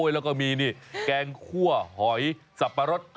แล้วก็มีนี่แกงคั่วหอยสับปะรด